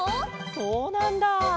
そうなんだ！